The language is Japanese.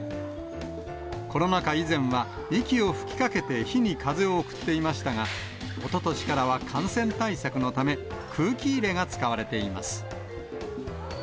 コロナ禍以前は、息を吹きかけて火に風を送っていましたが、おととしからは感染対策のため、空気入れが使われています。